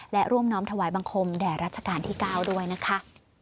และร่วมน้อมถวายบังคมแด่รัชกาลที่๙ด้วยนะคะ